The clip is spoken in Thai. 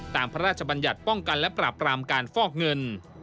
พระราชบัญญัติป้องกันและปราบรามการฟอกเงิน